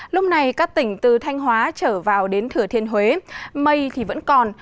lúc này các tỉnh từ thanh hóa trở vào đến thừa thiên huế mây vẫn còn